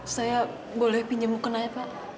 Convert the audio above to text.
saya boleh pinjam ukenanya pak